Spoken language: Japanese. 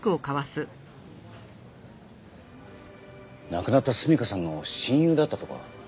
亡くなった純夏さんの親友だったとか。